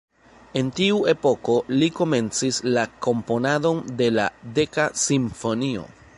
En tiu epoko, li komencis la komponadon de la "Deka Simfonio".